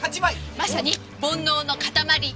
まさに煩悩の塊。